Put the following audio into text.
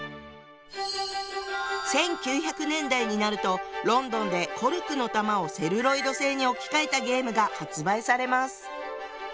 １９００年代になるとロンドンでコルクの球をセルロイド製に置き換えたゲームが発売されます。